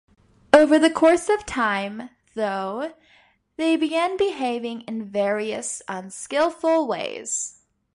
Over the course of time, though, they began behaving in various unskillful ways.